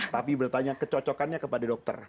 tapi bertanya kecocokannya kepada dokter